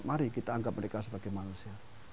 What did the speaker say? mari kita anggap mereka sebagai manusia